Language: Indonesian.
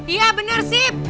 iya benar sip